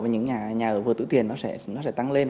và những nhà ở vừa tưới tiền nó sẽ tăng lên